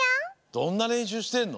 どんなれんしゅうしてんの？